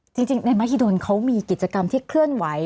จริงในมหิดลเขามีกิจกรรมที่เคลื่อนไหว